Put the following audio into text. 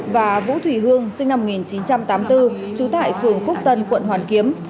và vũ thủy hương sinh năm một nghìn chín trăm tám mươi bốn trú tại phường phúc tân quận hoàn kiếm